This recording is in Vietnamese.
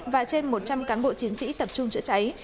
và trên một trăm linh cán bộ chiến sĩ tập trung chữa cháy